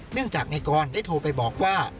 เนื่องจากนายกรได้โทรไปบอกว่า